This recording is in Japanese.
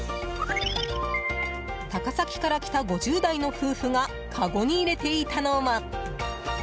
高崎から来た５０代の夫婦がかごに入れていたのは。